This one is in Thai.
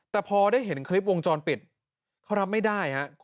แต่พอได้เห็นคลิปวงจรปิดเขารับไม่ได้ครับ